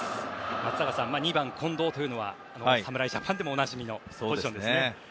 松坂さん２番、近藤というのは侍ジャパンでもおなじみのポジションですね。